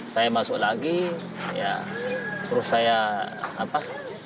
saya masuk lagi ya terus saya apa